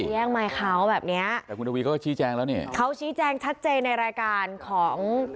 แต่คุณลวีใช่ชี้แจ้งแล้วชี้แจ้งทันในร่าการของ